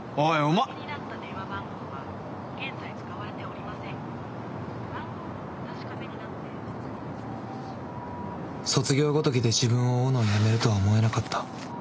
番号をお確かめになって卒業ごときで自分を追うのをやめるとは思えなかった。